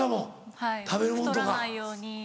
はい太らないように。